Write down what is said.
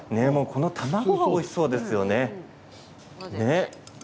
この卵がもうおいしそうですよね。